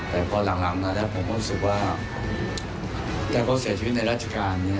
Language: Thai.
แบบก็เหล่างนานแล้วผมก็รู้สึกว่าที่ได้ร่วมก็เสียชีวิตในราชการเนี้ย